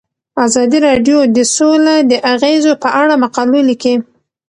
ازادي راډیو د سوله د اغیزو په اړه مقالو لیکلي.